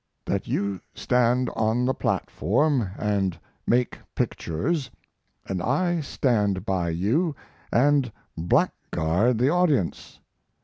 that you stand on the platform and make pictures, and I stand by you and blackguard the audience.